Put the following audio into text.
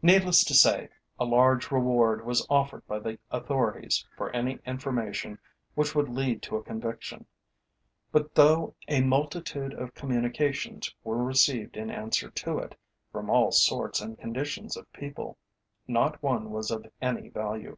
Needless to say, a large reward was offered by the authorities for any information which would lead to a conviction; but though a multitude of communications were received in answer to it, from all sorts and conditions of people, not one was of any value.